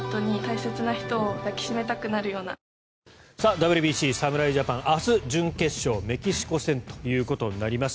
ＷＢＣ侍ジャパン明日、準決勝メキシコ戦となります。